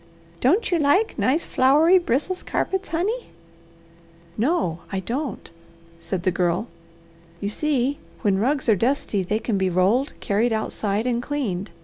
Don't you like nice, flowery Brissels carpets, honey?" "No I don't," said the Girl. "You see, when rugs are dusty they can be rolled, carried outside, and cleaned.